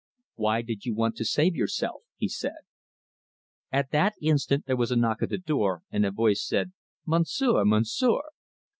"Why did you want to save yourself?" he said. At that instant there was a knock at the door, and a voice said: "Monsieur! Monsieur!"